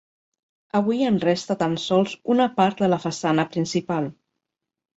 Avui en resta tan sols una part de la façana principal.